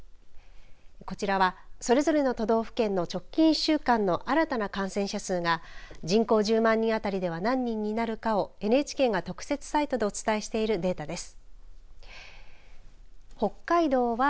こちらは、それぞれの都道府県の直近１週間の新たな感染者数が人口１０万人当たりでは何人になるかをＮＨＫが特設サイトでお伝えしているデータです。